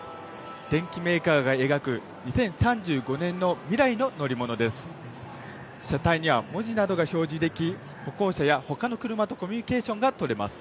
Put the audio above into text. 電機メーカーが描く２０３５年の未来の乗り物です。